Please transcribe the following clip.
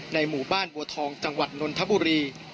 หมู่บ้านบัวทองจังหวัดนนทบุรี